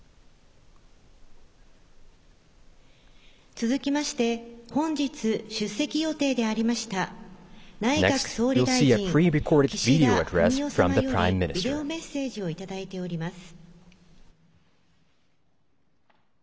続きまして本日、出席予定でありました内閣総理大臣、岸田文雄様よりビデオメッセージをいただいております。